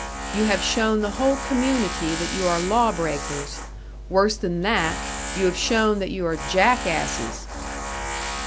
You have shown the whole community that you are law breakers; worse than that you have shown that you are jack asses!"